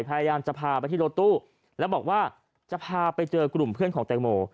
พยายามจะพาไปที่รถตู้แล้วบอกว่าจะพาไปเจอกลุ่มเพื่อนของแตงโม